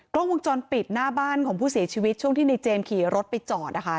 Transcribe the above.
กล้องวงจรปิดหน้าบ้านของผู้เสียชีวิตช่วงที่ในเจมส์ขี่รถไปจอดนะคะ